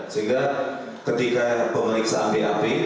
sehingga ketika pemeriksaan pap